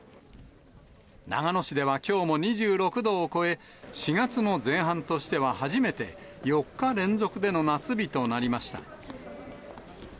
長野市ではきょうも２６度を超え、４月の前半としては初めて、４日連続での夏日となりました。